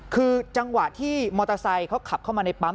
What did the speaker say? คือจังหวะที่มอเตอร์ไซค์เขาขับเข้ามาในปั๊ม